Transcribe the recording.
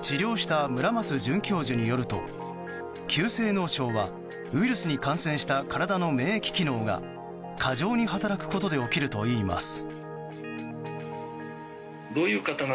治療した村松准教授によると急性脳症はウイルスに感染した体の免疫機能が過剰に働くことで起きるといいます。